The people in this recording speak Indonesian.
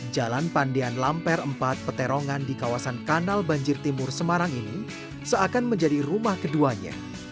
jalan pandian lamper empat peterongan di kawasan kanal banjir timur semarang ini seakan menjadi rumah keduanya